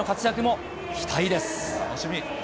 楽しみ。